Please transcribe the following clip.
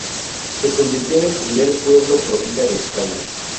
Se convirtió en el primer pueblo provida de España.